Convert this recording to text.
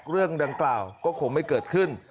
เรื่องดังกล่าวก็คงไม่เกิดขึ้น